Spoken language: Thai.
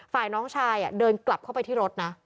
ฝ่ายน้องชายเดินกลับเข้าไปที่รถนะ